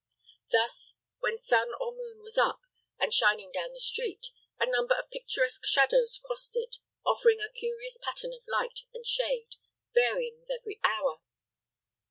Thus, when sun or moon was up, and shining down the street, a number of picturesque shadows crossed it, offering a curious pattern of light and shade, varying with every hour.